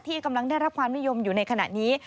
กำลังได้รับความนิยมอยู่ในขณะนี้